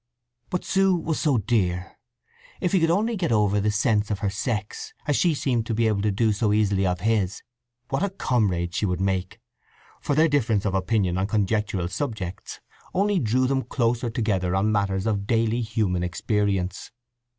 … But Sue was so dear! … If he could only get over the sense of her sex, as she seemed to be able to do so easily of his, what a comrade she would make; for their difference of opinion on conjectural subjects only drew them closer together on matters of daily human experience.